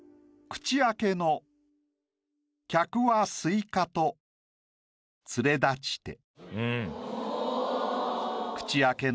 「口開けの客は西瓜と連れ立ちて」。